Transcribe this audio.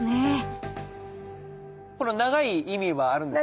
この長い意味はあるんですか？